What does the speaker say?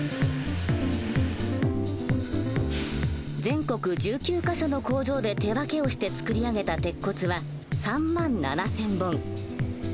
全国１９か所の工場で手分けをして造り上げた鉄骨は３万７，０００本。